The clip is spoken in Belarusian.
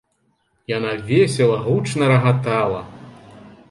Яна весела, гучна рагатала.